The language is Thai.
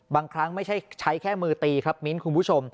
บางครั้งไม่ใช่ใช้แค่มือตีครับมิ้นคุณผู้ชม